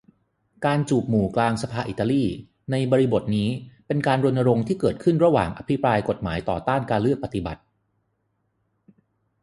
การจูบหมู่กลางสภาอิตาลีในบริบทนี้ เป็นการรณรงค์ที่เกิดขึ้นระหว่างอภิปรายกฎหมายต่อต้านการเลือกปฏิบัติ